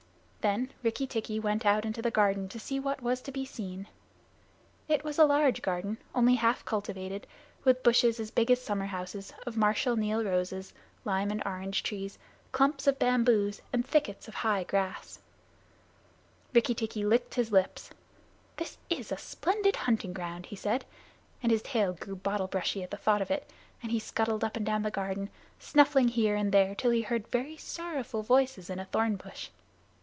Then Rikki tikki went out into the garden to see what was to be seen. It was a large garden, only half cultivated, with bushes, as big as summer houses, of Marshal Niel roses, lime and orange trees, clumps of bamboos, and thickets of high grass. Rikki tikki licked his lips. "This is a splendid hunting ground," he said, and his tail grew bottle brushy at the thought of it, and he scuttled up and down the garden, snuffing here and there till he heard very sorrowful voices in a thorn bush.